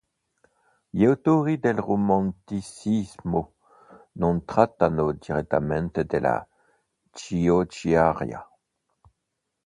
Gli autori del romanticismo non trattano direttamente della "Ciociaria".